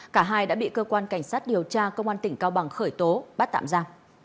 cả hai đã bị cơ quan cảnh sát điều tra công an tỉnh cao bằng khởi tố bắt tạm ra